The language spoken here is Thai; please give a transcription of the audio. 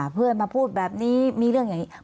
เพื่อนมาพูดแบบนี้มีเรื่องอย่างนี้